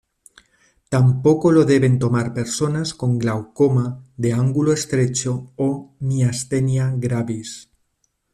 Tampoco lo deben tomar personas con glaucoma de ángulo estrecho o miastenia gravis.